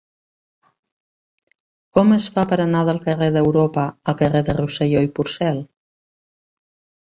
Com es fa per anar del carrer d'Europa al carrer de Rosselló i Porcel?